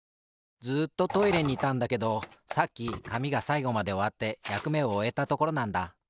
ずっとトイレにいたんだけどさっきかみがさいごまでおわってやくめをおえたところなんだ。